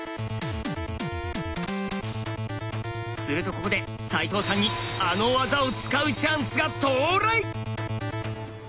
するとここで齋藤さんにあの技を使うチャンスが到来！